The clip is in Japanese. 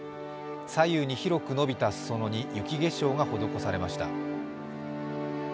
左右に広く伸びた裾野に雪化粧が施されました。